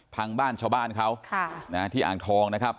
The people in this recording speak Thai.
พังบ้านชาวบ้านเขาที่อ่างทองนะครับ